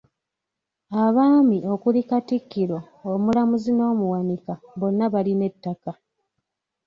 Abaami okuli Katikkiro, Omulamuzi n’Omuwanika bonna balina ettaka.